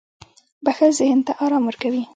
• بښل ذهن ته آرام ورکوي.